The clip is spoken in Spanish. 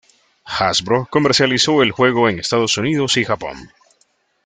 Hasbro comercializó el juego en Estados Unidos y Japón.